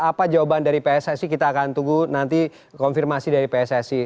apa jawaban dari pssi kita akan tunggu nanti konfirmasi dari pssi